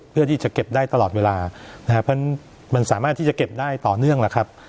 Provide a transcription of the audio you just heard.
เพื่อที่จะเก็บได้ตลอดเวลานะครับเพราะฉะนั้นมันสามารถที่จะเก็บได้ต่อเนื่องแล้วครับ